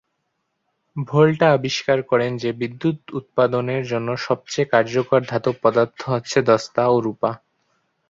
ভোল্টা আবিষ্কার করেন যে, বিদ্যুৎ উৎপাদনের জন্য সবচেয়ে কার্যকর ধাতব পদার্থ হচ্ছে দস্তা ও রূপা।